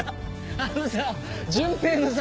あのさ潤平のさ